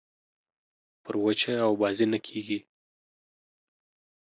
پر وچه اوبازي نه کېږي.